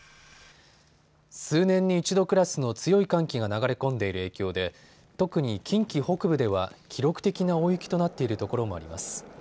数年に一度クラスの強い寒気が流れ込んでいる影響で特に近畿北部では記録的な大雪となっているところもあります。